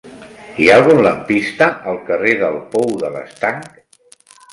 Hi ha algun lampista al carrer del Pou de l'Estanc?